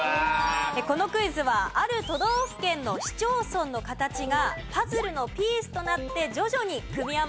このクイズはある都道府県の市町村の形がパズルのピースとなって徐々に組み合わさっていきます。